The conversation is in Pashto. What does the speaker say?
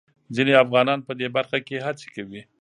ځينې افغانان په دې برخه کې هڅې کوي.